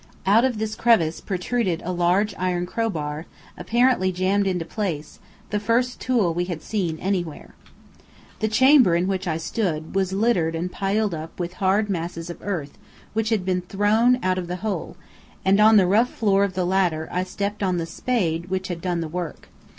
Out of this crevice protruded a large iron crowbar, apparently jammed into place, the first tool we had seen anywhere. The chamber in which I stood, was littered and piled up with hard masses of earth which had been thrown out of the hole; and on the rough floor of the latter I stepped on the spade which had done the work.